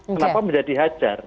kenapa menjadi hajar